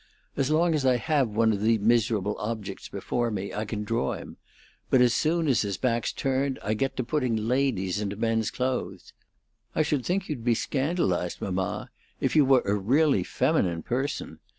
As long as I have one of the miserable objects before me, I can draw him; but as soon as his back's turned I get to putting ladies into men's clothes. I should think you'd be scandalized, mamma, if you were a really feminine person.